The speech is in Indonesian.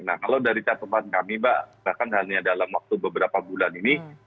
nah kalau dari catatan kami mbak bahkan hanya dalam waktu beberapa bulan ini